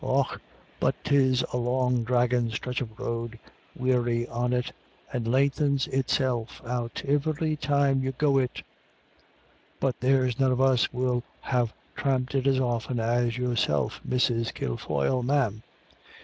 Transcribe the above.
"Och, but 'tis a long draggin' stretch of road, weary on it, and lenthens itself out ivery time you go it But there's none of us will have tramped it as often as yourself, Mrs. Kilfoyle, ma'am."